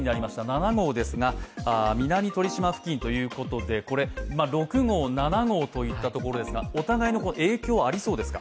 ７号ですが南鳥島付近ということで、６号、７号といったところですが、お互いの影響、ありそうですか？